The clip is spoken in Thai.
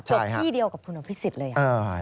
จบที่เดียวกับคุณพิษศิษฐ์เลย